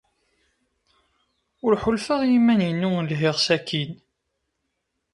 Ur ḥulfaɣ i yiman-inu lhiɣ sakkin.